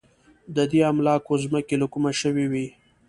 د دې املاکو ځمکې له کومه شوې وې.